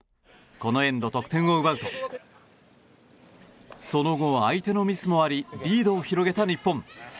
このエンド、得点を奪うとその後、相手のミスもありリードを広げた日本。